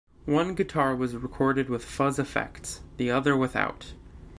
One guitar was recorded with fuzz effects, the other without.